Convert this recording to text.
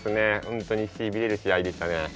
本当にしびれる試合でしたね。